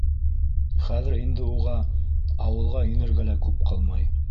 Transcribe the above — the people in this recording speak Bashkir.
Хәҙер инде уға ауылға инергә лә күп ҡалмай.